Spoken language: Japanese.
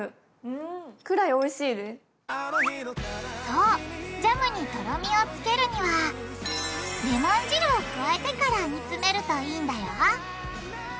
そうジャムにとろみをつけるにはレモン汁を加えてから煮詰めるといいんだよ